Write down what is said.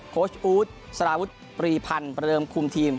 การแต่งตั้งโคชอูทสราวุธปรีพันธ์เพราะเริ่มคุมทีม